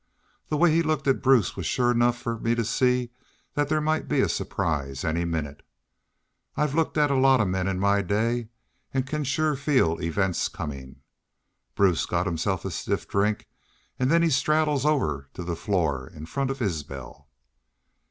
The way he looked at Bruce was sure enough fer me to see thet thar might be a surprise any minnit. I've looked at a lot of men in my day, an' can sure feel events comin'. Bruce got himself a stiff drink an' then he straddles over the floor in front of Isbel.